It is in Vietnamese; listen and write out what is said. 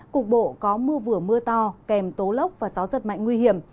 cục bộ có mưa vừa mưa to kèm tố lốc và gió giật mạnh nguy hiểm